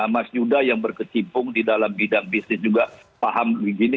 mas yuda yang berkecimpung di dalam bidang bisnis juga paham begini